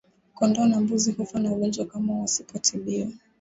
Kondoo na mbuzi hufa na ugonjwa kama wasipotibiwa